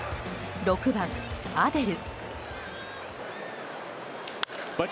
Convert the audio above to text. ６番、アデル。